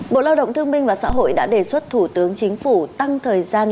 bộ lao động thương minh và xã hội đã đề xuất thủ tướng chính phủ tăng thời gian